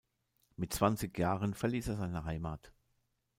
Mit zwanzig Jahren verließ er seine Heimat.